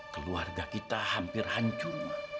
keluarga kita hampir hancur